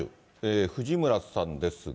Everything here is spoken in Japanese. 藤村さんですが。